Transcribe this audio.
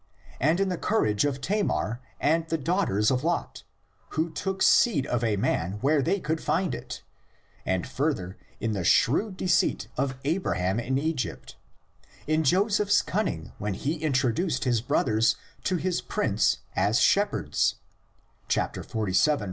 and in the courage of Tamar and the daughters of Lot, who took seed of a man where they could find it, and further in the shrewd deceit of Abraham in Egypt, in Joseph's cunning when he introduced his broth ers to his prince as shepherds (xlvii.